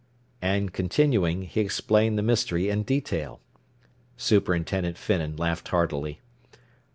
And continuing, he explained the mystery in detail. Superintendent Finnan laughed heartily.